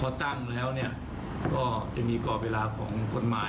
ตัวเพราะตั้งแล้วก็จะมีก่อเวลาของคนหมาย